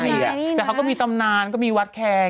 แต่เขาก็มีตำนานก็มีวัดแคร์